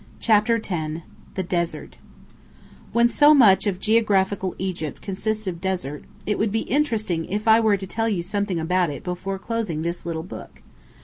CHAPTER X THE DESERT When so much of geographical Egypt consists of desert, it would be interesting if I were to tell you something about it before closing this little book.